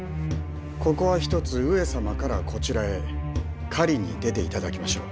ここはひとつ上様からこちらへ狩りに出て頂きましょう。